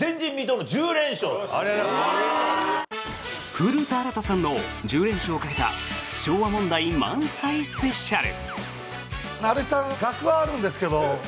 古田新太さんの１０連勝をかけた昭和問題満載スペシャル。